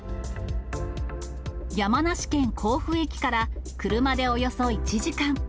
山梨県甲府駅から車でおよそ１時間。